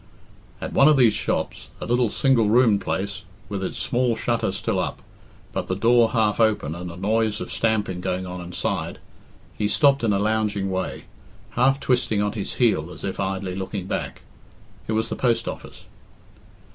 At one of these shops, a little single roomed place, with its small shutter still up, but the door half open and a noise of stamping going on inside, he stopped in a lounging way, half twisting on his heel as if idly looking back. It was the Post Office.